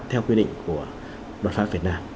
theo quy định của luật pháp việt nam